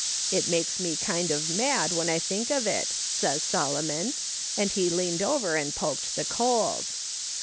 It makes me kind of mad when I think of it,' says Solomon, and he leaned over and poked the coals.